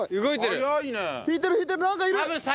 引いてる引いてるなんかいる！